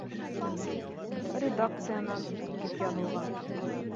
— Редакциянан, тип яҙылған